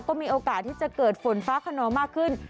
ก็มีโอกาสที่จะเกิดฝนฟ้าขนองมากขึ้น